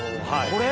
これ？